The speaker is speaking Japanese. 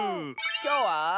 きょうは。